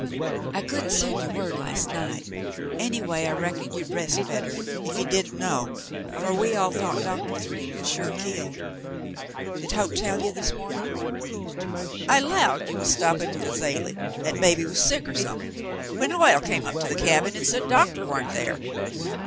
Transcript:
*'I couldn't send you word last night; anyway, I reckoned you'd rest better if you didn't know, for we all thought Doctor Thryng was sure killed. Did Hoke tell you this morning '^" "I 'lowed you was stoppin' with Azalie — 'at baby was sick or somethin' — when Hoyle went up to the cabin an' said doctah wa'n't there.